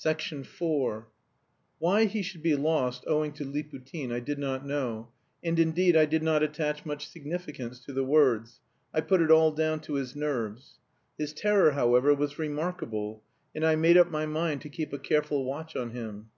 IV Why he should be lost owing to Liputin I did not know, and indeed I did not attach much significance to the words; I put it all down to his nerves. His terror, however, was remarkable, and I made up my mind to keep a careful watch on him.